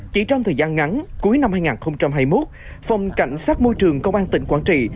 chỉ trong thời gian ngắn cuối năm hai nghìn hai mươi một phòng cảnh sát môi trường công an tỉnh quảng trị